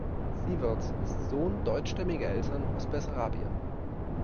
Siewert ist Sohn deutschstämmiger Eltern aus Bessarabien.